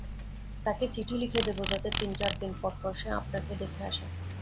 তাকে চিঠি লিখে দেব যাতে তিন-চারদিন পরপর সে আপনাকে দেখে আসে।